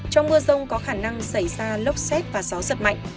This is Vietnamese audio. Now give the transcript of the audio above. trong mưa rông có khả năng xảy ra lốc xét và gió giật mạnh